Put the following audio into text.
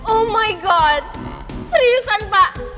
oh my god seriusan pak